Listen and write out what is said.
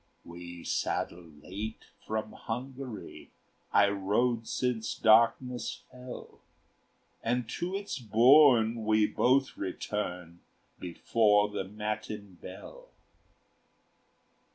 "We saddle late from Hungary I rode since darkness fell; And to its bourne we both return Before the matin bell."